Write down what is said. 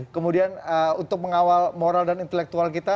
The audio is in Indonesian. kemudian untuk mengawal moral dan intelektual kita